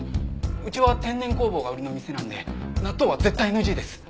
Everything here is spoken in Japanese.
うちは天然酵母が売りの店なんで納豆は絶対ＮＧです。